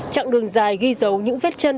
trạng đường dài ghi dấu những vết chân